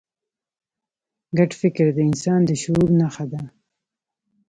ګډ فکر د انسان د شعور نښه ده.